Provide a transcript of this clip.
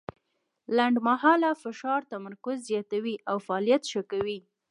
لنډمهاله فشار تمرکز زیاتوي او فعالیت ښه کوي.